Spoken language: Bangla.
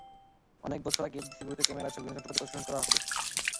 অনেক বছর আগে এফডিসিতে ব্যবহূত ক্যামেরা, লাইটসহ বিভিন্ন যন্ত্রপাতি প্রদর্শন করা হবে।